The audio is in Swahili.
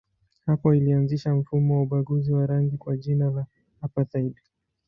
Hapo ilianzisha mfumo wa ubaguzi wa rangi kwa jina la apartheid.